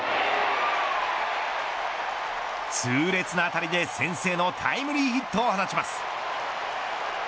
痛烈な当たりで先制のタイムリーヒットを放ちます。